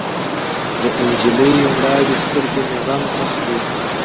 د جینۍ مړاوې سترګې مې غم اخلي.